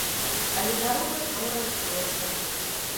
Але дарога зноў разбілася.